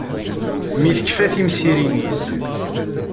Mi tekfa timsirin-is.